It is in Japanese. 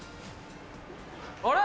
あれ？